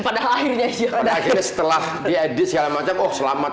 pada akhirnya setelah diedit segala macam oh selamat